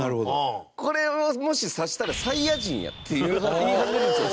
これを、もし指したらサイヤ人やって言い始めるんですよ。